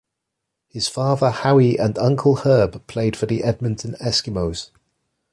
His father Howie and uncle Herb played for the Edmonton Eskimos.